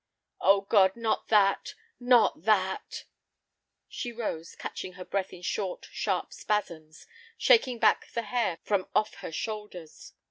"Oh, God, not that, not that!" She rose, catching her breath in short, sharp spasms, shaking back the hair from off her shoulders.